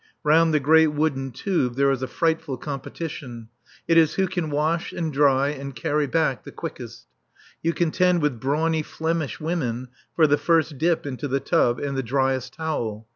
Round the great wooden tubs there is a frightful competition. It is who can wash and dry and carry back the quickest. You contend with brawny Flemish women for the first dip into the tub and the driest towel.